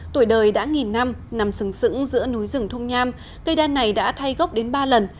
tuổi đời đã nghìn năm nằm sừng sững giữa núi rừng thung nham cây đa này đã thay gốc đến ba lần